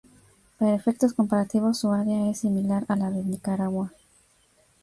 Para efectos comparativos su área es similar a la de Nicaragua.